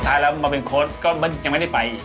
สุดท้ายรับมาเป็นโค้ดกับมันยังไม่ได้ไป